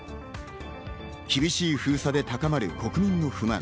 厳しい封鎖で高まる国民の不満。